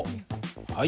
はい。